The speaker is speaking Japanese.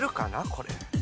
これ。